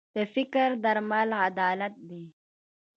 د فقر درمل عدالت دی.